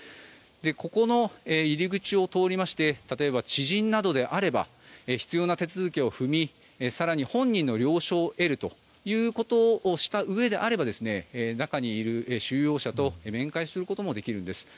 ここの入り口を通りまして例えば知人などであれば必要な手続きを踏み更に本人の了承を得てということをすれば中にいる収容者と面会することもできるんです。